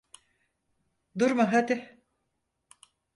Durma hadi.